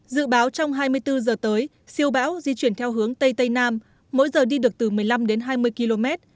dự báo trong hai mươi bốn giờ tới siêu bão di chuyển theo hướng tây tây nam mỗi giờ đi được từ một mươi năm đến hai mươi km